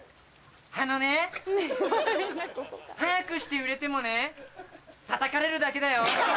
あのね早くして売れてもねたたかれるだけだよ。